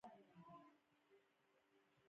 د سولې تړون ګډ سند لاسلیک شو.